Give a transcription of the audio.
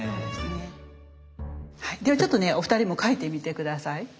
ではちょっとねお二人も描いてみて下さい。